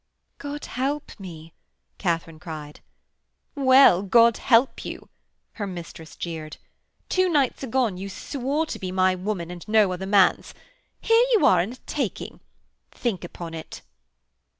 'God help me,' Katharine cried. 'Well, God help you,' her mistress jeered. 'Two nights agone you swore to be my woman and no other man's. Here you are in a taking. Think upon it.'